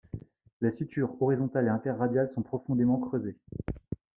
Les sutures horizontales et interradiales sont profondément creusées.